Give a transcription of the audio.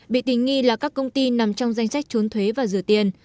bị tình nghi là các công ty nằm trong danh sách trốn thuế và rửa tiền